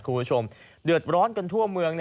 คุณผู้ชมเดือดร้อนกันทั่วเมือง